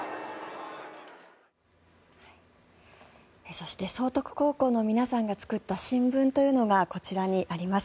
そして崇徳高校の皆さんが作った新聞というのがこちらにあります。